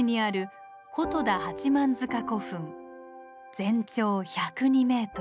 全長１０２ｍ。